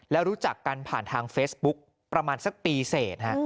แล้วรู้จักกันผ่านทางเฟซบุ๊กประมาณสักปีเสร็จ